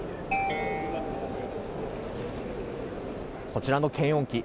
こちらの検温機